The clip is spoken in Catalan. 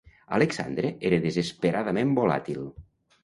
Alexandre era desesperadament volàtil.